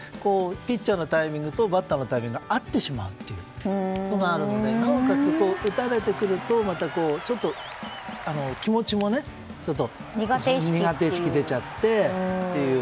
ピッチャーのタイミングとバッターのタイミングが合ってしまうというのがあるのでなおかつ打たれてくるとまたちょっと気持ちも苦手意識が出ちゃってっていう。